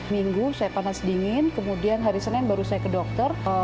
minggu saya panas dingin kemudian hari senin baru saya ke dokter